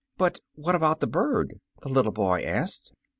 "But what about the bird?" the little boy asked.